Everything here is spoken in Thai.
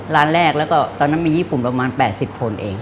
ร้านแรกแล้วก็ตอนนั้นมีญี่ปุ่นประมาณ๘๐คนเอง